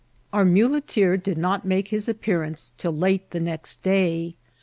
Our muleteer did not make his appearance till late the next day.